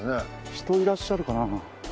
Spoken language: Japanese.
人いらっしゃるかな？